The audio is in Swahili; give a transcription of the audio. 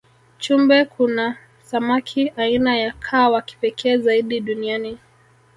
chumbe kuna samaki aina ya kaa wakipekee zaidi duniani